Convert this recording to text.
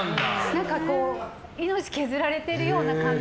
何か命削られているような感じ。